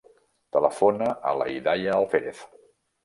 Telefona a la Hidaya Alferez.